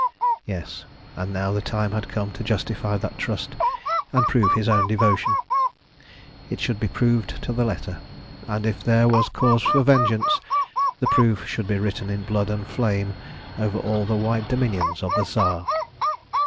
Yes, and now the time had come to justify that trust and prove his own devotion. It should be proved to the letter, and if there was cause for vengeance, the proof should be written in blood and flame over all the wide dominions of the Tsar.